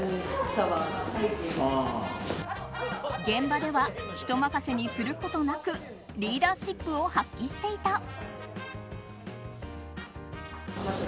現場では人任せにすることなくリーダーシップを発揮していた。